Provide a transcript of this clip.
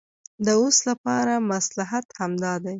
د اوس لپاره مصلحت همدا دی.